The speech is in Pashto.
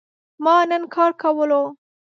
ما نن کار کولو